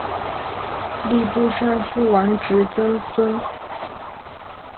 吏部尚书王直曾孙。